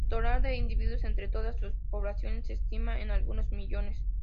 El total de individuos entre todas sus poblaciones se estima en algunos millones.